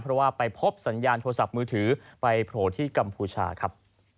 เพราะว่าไปพบสัญญาณโทรศัพท์มือถือไปโผล่ที่กัมพูชาครับ